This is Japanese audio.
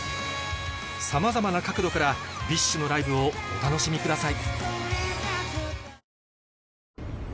さまざまな角度からＢｉＳＨのライブをお楽しみください